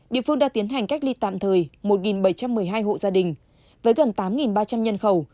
địa phương đã tiến hành cách ly tạm thời một bảy trăm một mươi hai hộ gia đình với gần tám ba trăm linh nhân khẩu